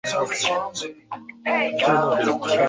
卡普韦尔恩人口变化图示